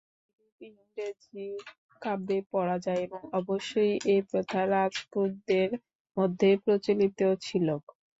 এইরূপ ইংরেজি কাব্যে পড়া যায় এবং অবশ্যই এ প্রথা রাজপুতদের মধ্যে প্রচলিত ছিল।